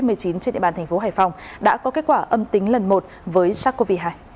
trên địa bàn thành phố hải phòng đã có kết quả âm tính lần một với sars cov hai